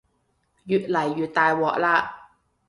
越嚟越大鑊喇